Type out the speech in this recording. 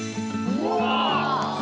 うわ。